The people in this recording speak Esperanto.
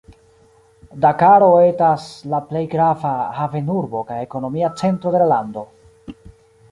Dakaro etas la plej grava havenurbo kaj ekonomia centro de la lando.